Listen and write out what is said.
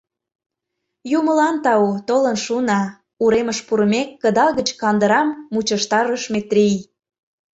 — Юмылан тау, толын шуна, — уремыш пурымек, кыдал гыч кандырам мучыштарыш Метрий.